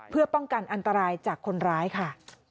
เพื่อป้องกันอันตรายจากคนร้ายค่ะ